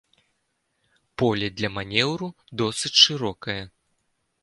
Поле для манеўру досыць шырокае.